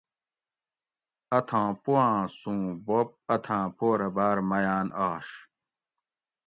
اتھاں پوآں سوں بوب اتھاۤں پو رہ باۤر میاۤن آش